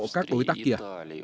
các đối tác kia